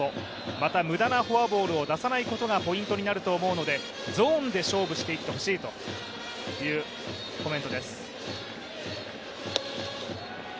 また、無駄なフォアボールを出さないことがポイントになると思うのでゾーンで勝負していってほしいというコメントです。